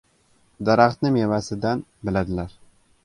• Daraxtni mevasidan biladilar.